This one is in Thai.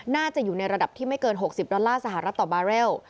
น่าจะอยู่ในระดับที่ไม่เกิน๖๐ดอลลาร์สหรัฐต่อบาเรล